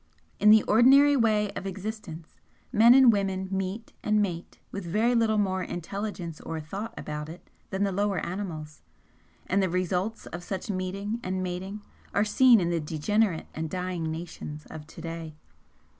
In the ordinary way of existence men and women meet and mate with very little more intelligence or thought about it than the lower animals; and the results of such meeting and mating are seen in the degenerate and dying nations of to day.